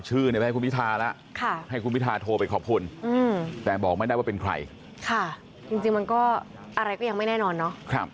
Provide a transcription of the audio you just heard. จริงมันก็อะไรก็ยังไม่แน่นอนเนอะ